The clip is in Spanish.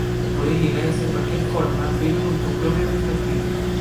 Puede llegar a ser cualquier forma, pero con tu propia perspectiva.